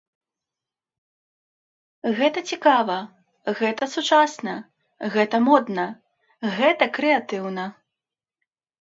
Гэта цікава, гэта сучасна, гэта модна, гэта крэатыўна.